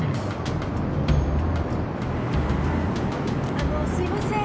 あのすいません。